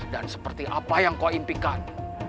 dan seperti apa yang kau impikan